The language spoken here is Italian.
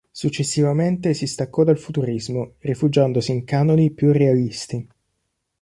Successivamente si staccò dal futurismo rifugiandosi in canoni più realisti.